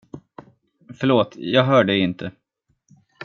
Förlåt, jag hör dig inte.